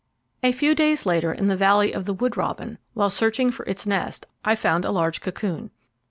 A few days later, in the valley of the Wood Robin, while searching for its nest I found a large cocoon.